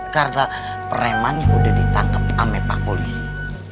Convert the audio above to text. karena pereman yang udah ditangkep sama pak polisi